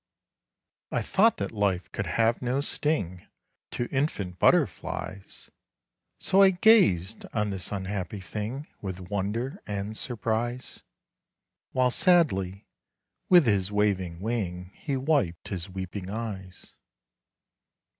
I thought that life could have no stingTo infant butterflies, So I gazed on this unhappy thingWith wonder and surprise. While sadly with his waving wingHe wiped his weeping eyes.